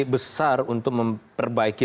besar untuk memperbaiki